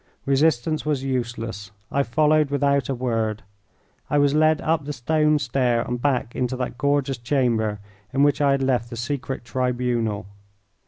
Resistance was useless. I followed without a word. I was led up the stone stair and back into that gorgeous chamber in which I had left the secret tribunal.